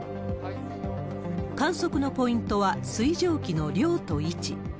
観測のポイントは、水蒸気の量と位置。